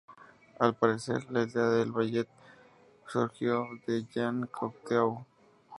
Al parecer la idea del ballet surgió de Jean Cocteau.